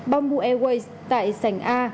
bombu airways tại sành a